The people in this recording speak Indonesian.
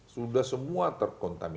sudah semua terkontaminasi